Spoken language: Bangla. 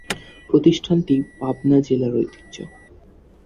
প্রতিষ্ঠানটি পাবনা জেলার ঐতিহ্য।